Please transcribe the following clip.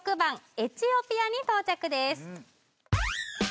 エチオピアに到着です